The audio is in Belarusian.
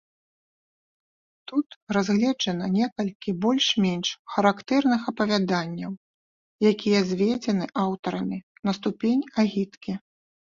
Тут разгледжана некалькі больш-менш характэрных апавяданняў, якія зведзены аўтарамі на ступень агіткі.